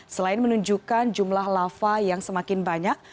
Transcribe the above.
selain menunjukkan jumlah lava yang semakin banyak